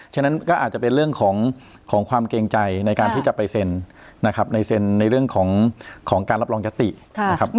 ฉะนั้นก็อาจจะเป็นเรื่องของความเกรงใจในการที่จะไปเซ็นนะครับในเซ็นในเรื่องของการรับรองยตินะครับ